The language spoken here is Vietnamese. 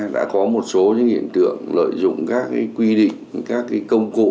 đã có một số những hiện tượng lợi dụng các cái quy định các cái công cụ